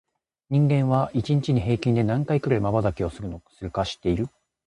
人間は、一日に平均で何回くらいまばたきをするか知ってる？